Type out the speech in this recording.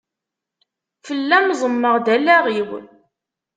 Fell-am ẓemmeɣ-d allaɣ-iw.